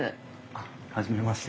あっ初めまして。